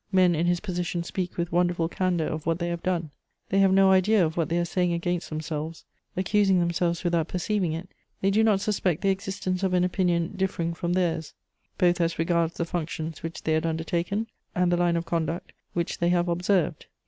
Men in his position speak with wonderful candour of what they have done; they have no idea of what they are saying against themselves: accusing themselves without perceiving it, they do not suspect the existence of an opinion differing from theirs, both as regards the functions which they had undertaken and the line of conduct which they have observed.